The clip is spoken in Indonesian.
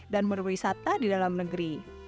dan berwisata di dalam negeri